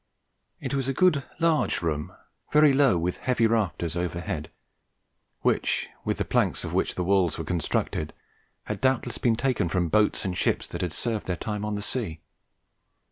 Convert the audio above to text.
It was a good large room, very low, with heavy rafters overhead, which, with the planks of which the walls were constructed, had doubtless been taken from boats and ships that had served their time on the sea.